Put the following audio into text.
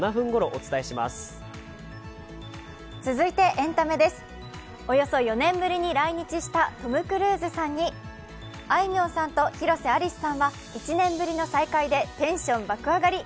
およそ４年ぶりに来日したトム・クルーズさんにあいみょんさんと広瀬アリスさんは１年ぶりの再会でテンション爆上がり。